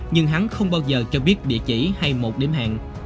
nhưng hắn không bao giờ cho biết địa chỉ hay một điểm hẹn